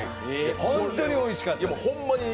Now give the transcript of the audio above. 本当においしかった。